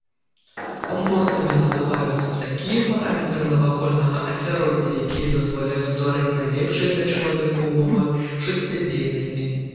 Камфортнымі называюцца такія параметры навакольнага асяроддзя, якія дазваляюць стварыць найлепшыя для чалавека ўмовы жыццядзейнасці.